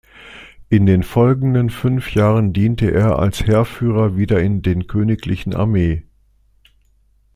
In den folgenden fünf Jahren diente er als Heerführer wieder in den königlichen Armee.